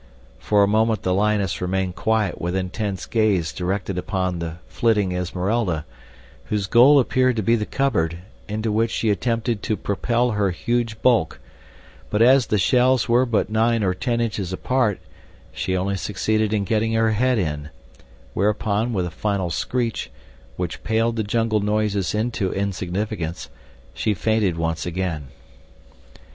For a moment the lioness remained quiet with intense gaze directed upon the flitting Esmeralda, whose goal appeared to be the cupboard, into which she attempted to propel her huge bulk; but as the shelves were but nine or ten inches apart, she only succeeded in getting her head in; whereupon, with a final screech, which paled the jungle noises into insignificance, she fainted once again.